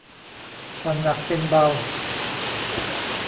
ผ่อนหนักเป็นเบา